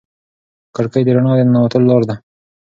کړکۍ د رڼا د ننوتلو لار ده.